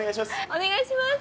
お願いします。